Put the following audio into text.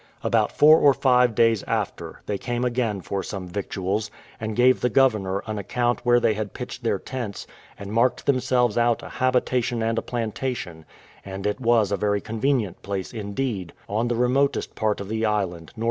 About four or five days after, they came again for some victuals, and gave the governor an account where they had pitched their tents, and marked themselves out a habitation and plantation; and it was a very convenient place indeed, on the remotest part of the island, NE.